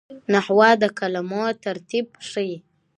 نحوه د کلمو ترتیب ښيي.